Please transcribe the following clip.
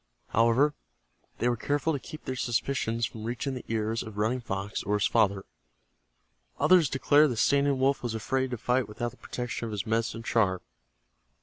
However, they were careful to keep their suspicions from reaching the ears of Running Fox or his father. Others declared that Standing Wolf was afraid to fight without the protection of his medicine charm.